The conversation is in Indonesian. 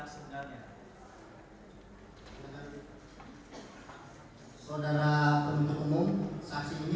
saya ingatkan kepada saudara krimi